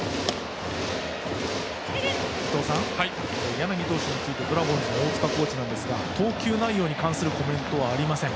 柳投手についてドラゴンズの大塚コーチですが投球内容に関するコメントはありません。